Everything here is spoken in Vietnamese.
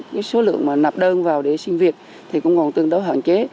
cái số lượng mà nạp đơn vào để sinh việc thì cũng còn tương đối hạn chế